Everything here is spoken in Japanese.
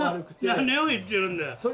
何を言ってるんだよ！